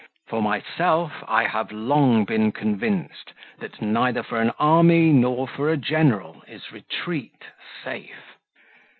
For myself I have long been convinced that neither for an army nor for a general is retreat safe.